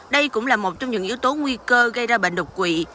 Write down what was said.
đây cũng là một trong những yếu tố nguy cơ gây ra bệnh đột quỵ